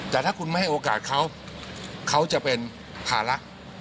แต่ถ้าคุณไม่ให้โอกาสเขาเขาจะเป็นภาระ